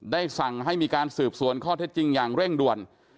ได้สั่งให้มีการสืบสวนข้อเท็จจริงอย่างเร่งด่วน